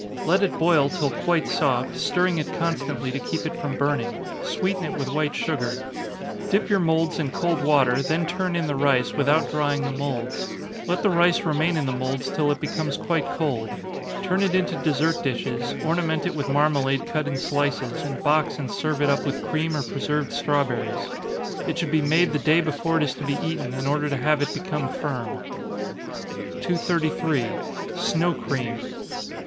Let it boil till quite soft, stirring it constantly to keep it from burning sweeten it with white sugar. Dip your moulds in cold water, then turn in the rice, without drying the moulds. Let the rice remain in the moulds till it becomes quite cold. Turn it into dessert dishes, ornament it with marmalade cut in slices, and box and serve it up with cream or preserved strawberries. It should be made the day before it is to be eaten, in order to have it become firm. 233. _Snow Cream.